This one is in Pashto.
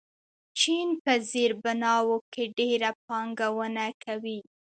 چین په زیربناوو کې ډېره پانګونه کوي.